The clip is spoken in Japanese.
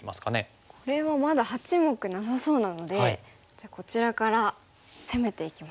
これはまだ八目なさそうなのでじゃあこちらから攻めていきますか。